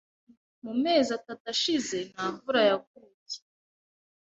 Mu mezi atatu ashize nta mvura yaguye.